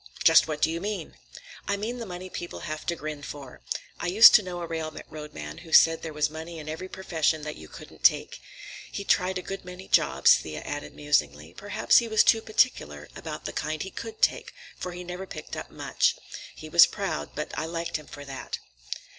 "Just what do you mean?" "I mean the money people have to grin for. I used to know a railroad man who said there was money in every profession that you couldn't take. He'd tried a good many jobs," Thea added musingly; "perhaps he was too particular about the kind he could take, for he never picked up much. He was proud, but I liked him for that."